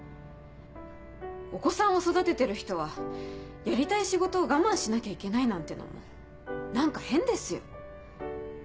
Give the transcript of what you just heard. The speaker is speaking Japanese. お子さんを育ててる人はやりたい仕事を我慢しなきゃいけないなんてのも何か変ですよ。